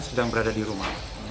sedang berada di rumah